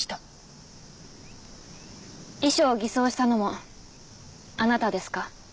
遺書を偽装したのもあなたですか？